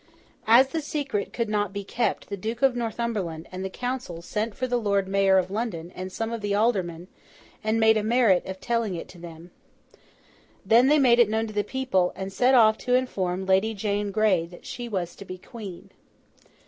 As the secret could not be kept, the Duke of Northumberland and the council sent for the Lord Mayor of London and some of the aldermen, and made a merit of telling it to them. Then, they made it known to the people, and set off to inform Lady Jane Grey that she was to be Queen.